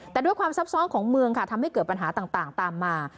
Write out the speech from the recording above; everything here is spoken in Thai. แต่ด้วยความซับซ้อนของเมืองค่ะทำให้เกิดปัญหาต่างตามมา